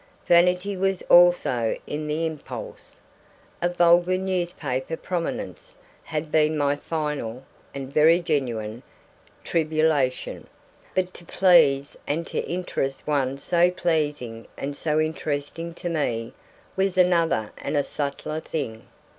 Vanity was also in the impulse. A vulgar newspaper prominence had been my final (and very genuine) tribulation; but to please and to interest one so pleasing and so interesting to me, was another and a subtler thing.